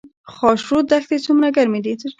خاشرود دښتې څومره ګرمې دي؟